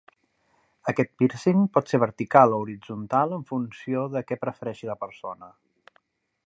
Aquest pírcing pot ser vertical o horitzontal en funció del que prefereixi la persona.